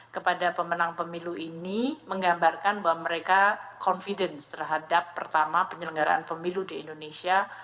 kepada pemenang pemilu ini menggambarkan bahwa mereka confidence terhadap pertama penyelenggaraan pemilu di indonesia